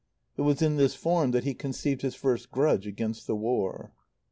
It was in this form that he conceived his first grudge against the War.